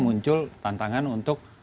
muncul tantangan untuk